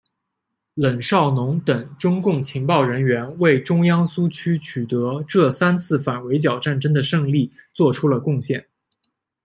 冷少农等中共情报人员为中央苏区取得这三次反围剿战争的胜利作出了贡献。